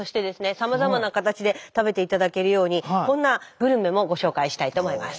さまざまな形で食べて頂けるようにこんなグルメもご紹介したいと思います。